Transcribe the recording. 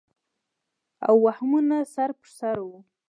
او وهمونه سر پر سر وو